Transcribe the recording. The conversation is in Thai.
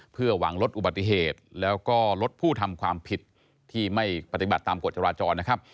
เพื่อหวังลดอุบัติเหตุแล้วก็ลดผู้ทำความผิดที่ไม่ปฏิบัติตามกฎจราจรนะครับ